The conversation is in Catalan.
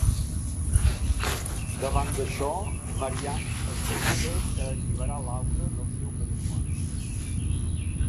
Davant d'això, Marian es decideix a alliberar Laura del seu matrimoni.